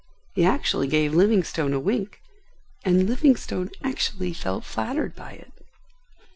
He actually gave Livingstone a wink, and Livingstone actually felt flattered by it.